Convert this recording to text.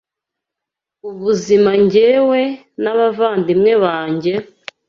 ubuzima njyewe n’abavandimwe banjye,